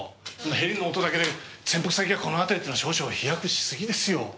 ヘリの音だけで潜伏先がこの辺りっていうのは少々飛躍し過ぎですよ。